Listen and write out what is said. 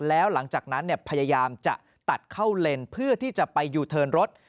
แล้วหลังจากนั้นพยายามจะตัดเข้าเลนเพื่อที่จะไปยูเทิร์นรถ